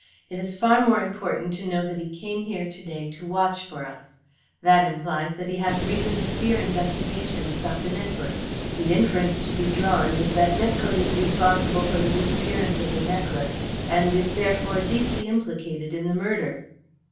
It is far more important to know that he came here to day to watch for us. That implies that he had reason to fear investigations about the necklace. The inference to be drawn is that Nepcote is responsible for the disappearance of the necklace, and is, therefore, deeply implicated in the murder."